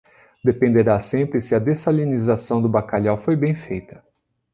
Dependerá sempre se a dessalinização do bacalhau foi bem feita.